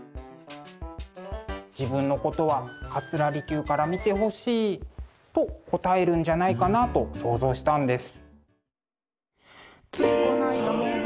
自分のことは桂離宮から見てほしいと答えるんじゃないかなと想像したんです。